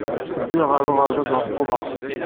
Ddiɣ ɣer uɣerbaz ɣef uḍar.